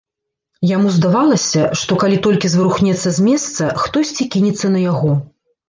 Яму здавалася, што, калі толькі зварухнецца з месца, хтосьці кінецца на яго.